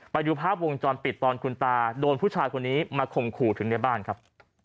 ไปดูภาพวงจรปิดตอนคุณตาโดนผู้ชายคนนี้มาข่มขู่ถึงในบ้านครับ